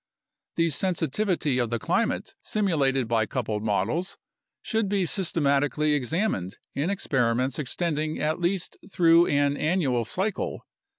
The sensitivity of the climate simulated by coupled models should be systematically examined in experiments extending at least through an annual cycle.